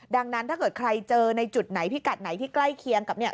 ดังนั้นถ้าเกิดใครเจอในจุดไหนพิกัดไหนที่ใกล้เคียงกับเนี่ย